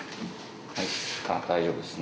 大丈夫ですね。